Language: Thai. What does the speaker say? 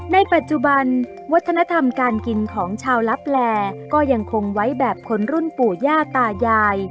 ในปัจจุบันวัฒนธรรมการกินของชาวลับแลก็ยังคงไว้แบบคนรุ่นปู่ย่าตายาย